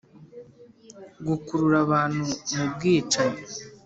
gukurura abantu mubwicanyi